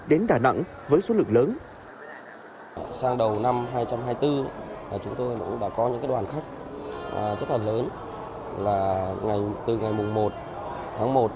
đến đà nẵng để tham gia thị trường